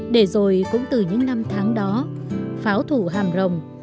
để rồi cũng từ những năm tháng đó pháo thủ hàm rồng